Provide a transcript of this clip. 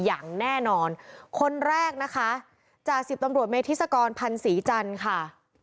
อย่างแน่นอนคนแรกนะคะจ่าสิบตำรวจเมธิศกรพันธ์ศรีจันทร์ค่ะ